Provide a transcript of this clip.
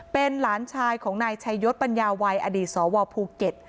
เป็นหลานชายของนายชัยยศปัญญาวัยอดีตสวภูเก็ต